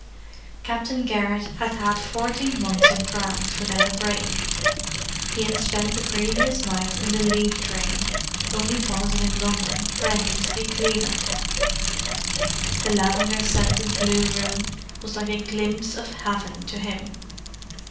Captain Garrett had had fourteen months in France without a break. He had spent the previous night in the leave train, only pausing in London for a hasty "clean up." The lavender scented blue room was like a glimpse of Heaven to him.